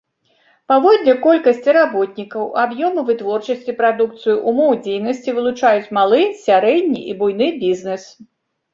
Паводле колькасці работнікаў, аб'ёму вытворчасці прадукцыі, умоў дзейнасці вылучаюць малы, сярэдні і буйны бізнес.